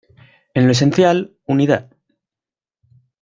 En lo esencial, unidad.